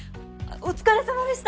お疲れさまでした。